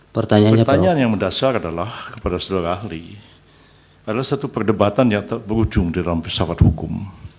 pertanyaan yang mendasar adalah kepada saudara ahli adalah satu perdebatan yang berujung di dalam pesawat hukum